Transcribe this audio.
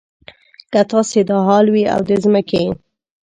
که ستاسې دا حال وي او د ځمکې.